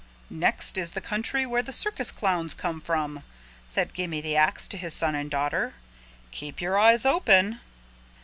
"Next is the country where the circus clowns come from," said Gimme the Ax to his son and daughter. "Keep your eyes open."